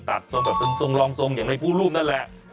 ทรงแบบเป็นทรงรองทรงอย่างในพูดรูปนั่นแหละ